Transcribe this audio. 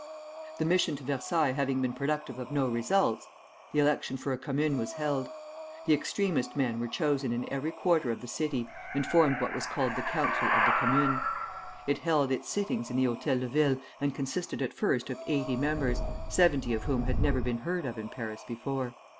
The mission to Versailles having been productive of no results, the election for a commune was held. The extremest men were chosen in every quarter of the city, and formed what was called the Council of the Commune. It held its sittings in the Hôtel de Ville, and consisted at first of eighty members, seventy of whom had never been heard of in Paris before.